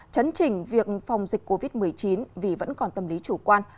chấn chỉnh việc phòng dịch covid một mươi chín vì vẫn còn tâm lý chủ quan